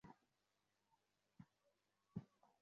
মনকে প্রফুল্ল অথচ শান্ত রাখিতে হইবে।